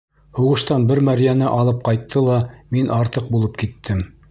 Һуғыштан бер мәрйәне алып ҡайтты ла, мин артыҡ булып киттем.